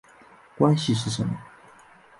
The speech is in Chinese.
关系是什么？